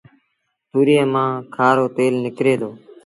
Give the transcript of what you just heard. تُوريئي مآݩ کآرو تيل نڪري دو